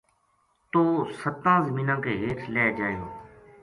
توہ سَتاں زمیناں کے ہیٹھ لہہ جائے گو‘‘